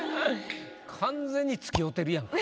完全につきおうてるやんか。